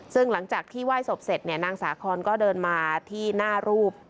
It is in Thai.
ซึ่งหลังจากที่ไหว้ศพเสร็จเนี่ยนางสาคอนก็เดินมาที่หน้ารูป